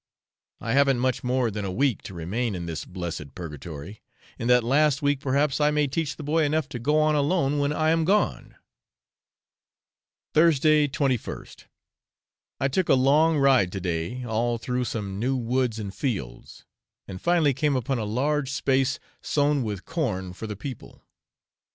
I haven't much more than a week to remain in this blessed purgatory, in that last week perhaps I may teach the boy enough to go on alone when I am gone. Thursday, 21st. I took a long ride to day all through some new woods and fields, and finally came upon a large space sown with corn for the people.